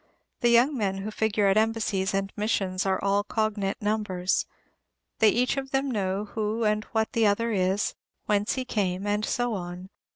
The young men who figure at embassies and missions are all "cognate numbers." They each of them know who and what the other is, whence he came, and so on.